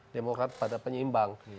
demokrat pada penyeimbang